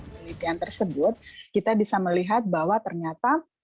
penelitian tersebut kita bisa melihat bahwa ternyata